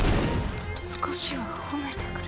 少しは褒めてくれ。